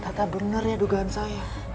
tata bener ya dugaan saya